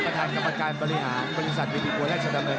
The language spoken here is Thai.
ประธานกรรมการบริหารบริษัทวิธีประวัติศาสตร์ดำเนิน